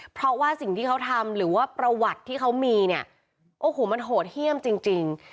เพราะว่าสิ่งที่เขาทำหรือว่าประวัติที่เขามีเนี่ยโอ้โหมันโหดเยี่ยมจริง